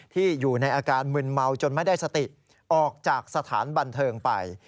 อยู่ในอาการมึนเมาจนไม่ได้สติออกจากสถานบันเทิงไป